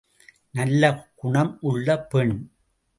நல்ல குணம் உள்ள பெண்.